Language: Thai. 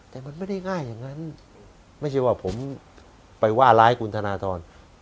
แต่มันไม่ได้ง่ายอย่างนั้นไม่ใช่ว่าผมไปว่าร้ายคุณธนทร